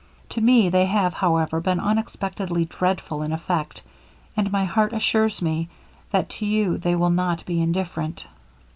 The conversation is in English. To me they have, however, been unexpectedly dreadful in effect, and my heart assures me, that to you they will not be indifferent.